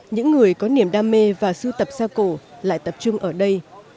những người có niềm đam mê và sưu tập xa cổ lại tập trung ở đây